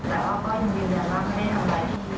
แต่ว่าก็ยังยืนยันว่าไม่ได้ทำอะไร